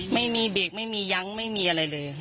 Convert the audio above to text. ไม่มีเบรกไม่มียั้งไม่มีอะไรเลย